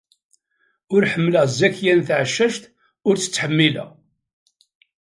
Ur ḥemmleɣ Zakiya n Tɛeccact, ur tt-ttḥemmileɣ.